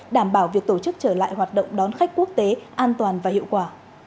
đảm bảo việc tổ chức trở lại hoạt động đón khách quốc tế an toàn và hiệu quả